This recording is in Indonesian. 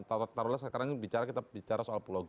taruhlah sekarang kita bicara soal pulau g